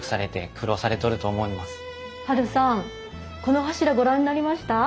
ハルさんこの柱ご覧になりました？